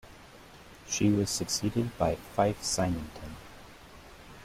She was succeeded by Fife Symington.